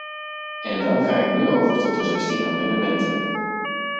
En dan ga ik nu over tot de zestien amendementen.